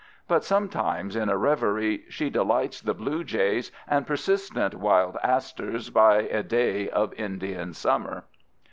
But sometimes, in a reverie, she delights the blue jays and persistent wild asters by a day of Indian summer.